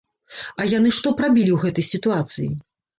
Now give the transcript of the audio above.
А яны што б рабілі ў гэтай сітуацыі?